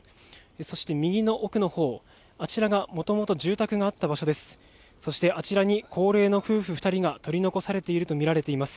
そして右の奥の方、あちらがもともと住宅があった場所です。